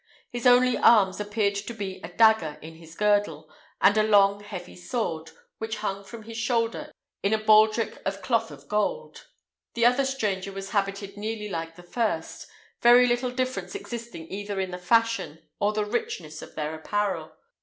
His only arms appeared to be a dagger in his girdle, and a long heavy sword, which hung from his shoulder in a baldrick of cloth of gold. The other stranger was habited nearly like the first, very little difference existing either in the fashion or the richness of their apparel.